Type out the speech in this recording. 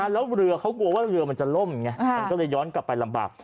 แล้วเรือเขากลัวว่าเรือมันจะล่มไงมันก็เลยย้อนกลับไปลำบาก